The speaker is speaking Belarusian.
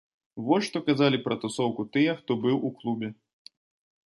Вось, што казалі пра тусоўку тыя, хто быў у клубе.